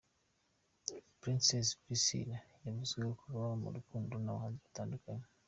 Princess Priscillah yavuzweho kuba mu rukundo n’abahanzi batandukanye.